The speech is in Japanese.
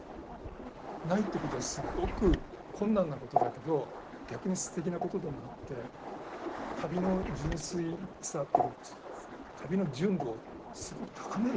ないってことはすごく困難なことだけど逆にすてきなことでもあって旅の純粋さっていうか旅の純度をすごく高めることになる。